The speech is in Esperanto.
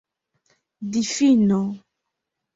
difino